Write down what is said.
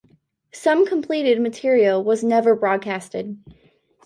Some completed material was never broadcast.